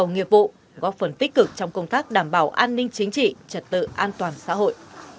góp phần tích cực trong công tác đảm bảo an ninh chính trị trật tự an toàn xã hội